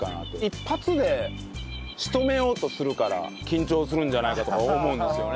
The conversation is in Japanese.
一発で仕留めようとするから緊張するんじゃないかとか思うんですよね。